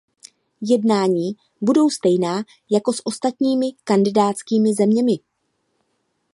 Jednání budou stejná jako s ostatními kandidátskými zeměmi.